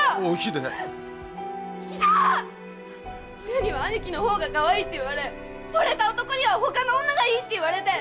親には兄貴の方が可愛いって言われ惚れた男にはほかの女がいいって言われて。